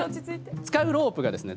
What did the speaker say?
使うロープがですね